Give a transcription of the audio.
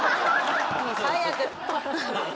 もう最悪。